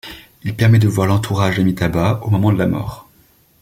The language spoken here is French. Il permet de voir l’entourage d’Amitabha au moment de la mort.